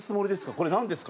「これなんですか？」